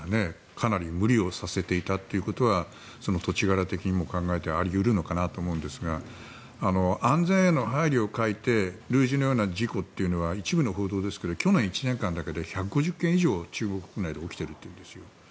かなり無理をさせていたということはその土地柄的にも考えてあり得るのかなと思うんですが安全への配慮を欠いて類似のような事故というのは一部の報道ですが去年１年間だけで１５０件以上中国国内で起きているというんです。